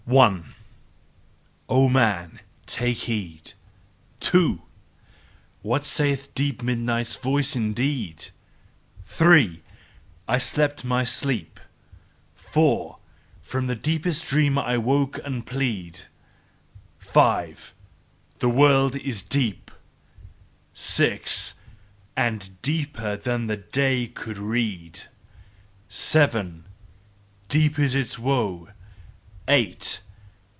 One! O man! Take heed! Two! What saith deep midnight's voice indeed? Three! "I slept my sleep Four! "From deepest dream I've woke and plead: Five! "The world is deep, Six! "And deeper than the day could read. Seven! "Deep is its woe _Eight!